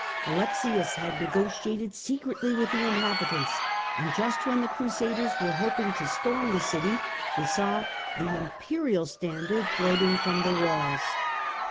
Alexius had negotiated secretly with the inhabitants, and just when the Crusaders were hoping to storm the city they saw the imperial standard floating from the walls.